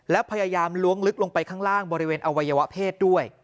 แล้วพยายามล้วงลึกลงไปข้างล่างบริเวณอวัยวะเพศด้วย